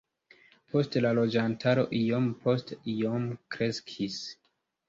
Poste la loĝantaro iom post iom kreskis.